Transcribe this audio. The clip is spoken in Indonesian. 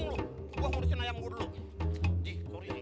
gua mau pusing ayam dulu di ayam penting